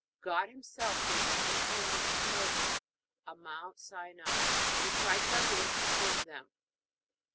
God Himself gave the Ten Commandments to Moses on Mount Sinai, and Christ our Lord confirmed them.